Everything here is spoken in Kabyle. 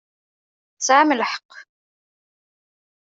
Tesɛam lḥeqq.